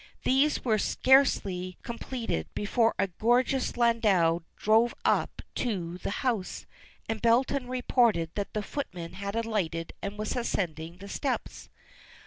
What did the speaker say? These were scarcely completed before a gorgeous landau drove up to the house, and Belton reported that the footman had alighted and was ascending the steps.